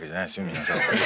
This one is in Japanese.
皆さんを。